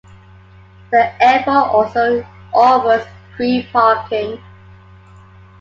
The airport also offers free parking.